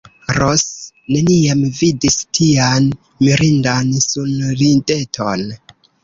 Ros neniam vidis tian mirindan sunrideton.